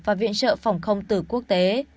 và viện trợ phòng không từ quốc tế